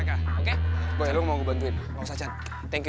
ya kamu tenang dulu ya rai